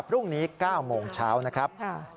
พรุ่งนี้๙โมงเช้านะครับ